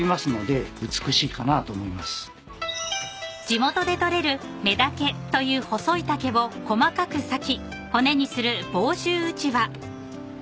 ［地元で採れる女竹という細い竹を細かく割き骨にする房州うちわ］